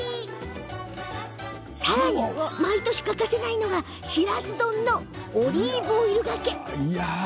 さらに、毎年欠かせないのがシラス丼のオリーブオイルがけ。